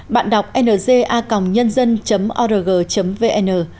bạn đọc nga nhân dân org vn